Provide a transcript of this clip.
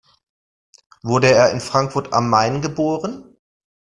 Wurde er in Frankfurt am Main geboren?